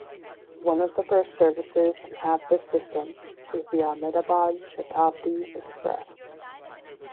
One of the first services to have this system is the Ahmedabad Shatabdi Express.